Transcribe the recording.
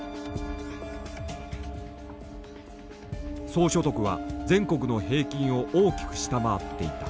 総所得は全国の平均を大きく下回っていた。